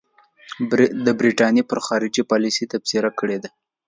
د برټانیې پر خارجي پالیسۍ تبصره کړې ده.